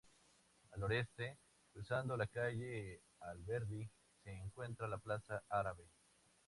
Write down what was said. Al noreste, cruzando la calle Alberdi, se encuentra la Plaza Árabe.